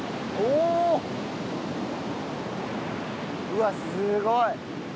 うわ、すごい。